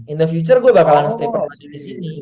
in the future gue bakalan stay permanen disini